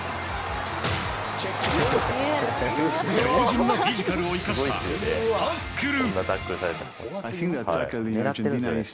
強じんなフィジカルを生かしたタックル。